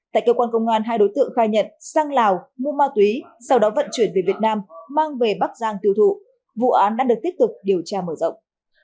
tại cơ quan công an hai đối tượng khai nhận sang lào mua ma túy sau đó vận chuyển về việt nam mang về bắc giang tiêu thụ vụ án đang được tiếp tục điều tra mở rộng